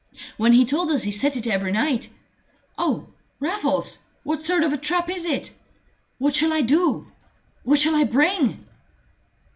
"When he told us he set it every night! Oh, Raffles, what sort of a trap is it? What shall I do? What shall I bring?"